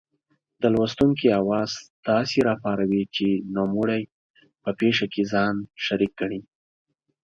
د لوستونکې حواس داسې را پاروي چې نوموړی په پېښه کې ځان شریک ګڼي.